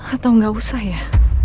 atau gak usah ya